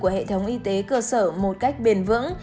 của hệ thống y tế cơ sở một cách bền vững